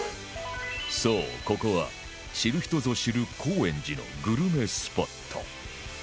そうここは知る人ぞ知る高円寺のグルメスポット